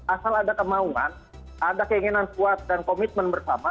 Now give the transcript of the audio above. asal ada kemauan ada keinginan kuat dan komitmen bersama